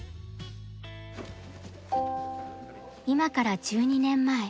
今から１２年前。